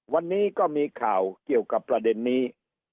วันนี้ก็มีข่าวเกี่ยวกับประเด็นนี้